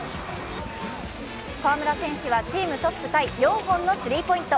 河村選手はチームトップタイ４本のスリーポイント。